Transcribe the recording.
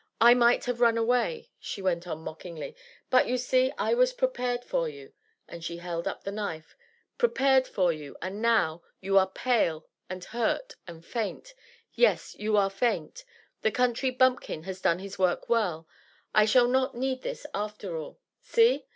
"I might have run away," she went on mockingly, "but you see I was prepared for you," and she held up the knife, "prepared for you and now you are pale, and hurt, and faint yes, you are faint the Country Bumpkin has done his work well. I shall not need this, after all see!"